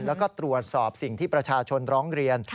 แล้วก็ตรวจสอบสิ่งที่ประชาชนร้องเรียน